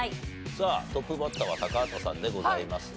さあトップバッターは高畑さんでございますが。